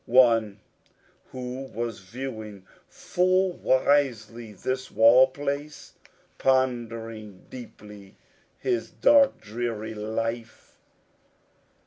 One who was viewing full wisely this wall place, Pondering deeply his dark, dreary life.